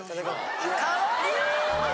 かわいい！